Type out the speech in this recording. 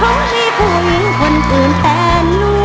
เพราะมีผู้หญิงคนคืนแปดหนู